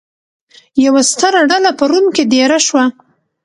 یوه ستره ډله په روم کې دېره شوه.